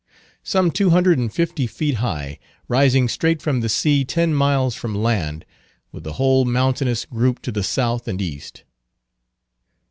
Some two hundred and fifty feet high, rising straight from the sea ten miles from land, with the whole mountainous group to the south and east.